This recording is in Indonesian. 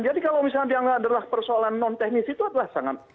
jadi kalau misalnya yang adalah persoalan non teknis itu adalah sangat